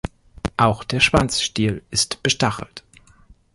Auch der Schwanzstiel ist bestachelt.